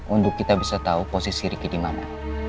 untuk kita bisa tau posisi ricky dimana